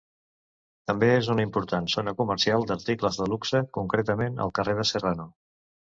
També és una important zona comercial d'articles de luxe, concretament al carrer de Serrano.